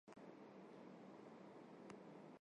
Հնարավոր է նաև այլ ինտեգրալային պատկերումը։